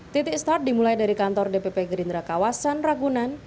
titik start dimulai dari kantor dpp gerindra kawasan ragunan